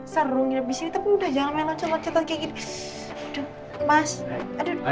seru nginep disini tapi udah jangan main loncat loncatan kayak gini